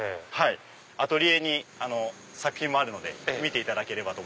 アトリエに作品もあるので見ていただければ。